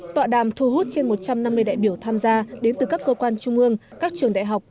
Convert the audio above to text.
tọa đàm thu hút trên một trăm năm mươi đại biểu tham gia đến từ các cơ quan trung ương các trường đại học